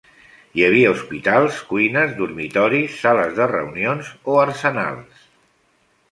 Hi havia hospitals, cuines, dormitoris, sales de reunions, o arsenals.